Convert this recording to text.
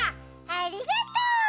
ありがとう！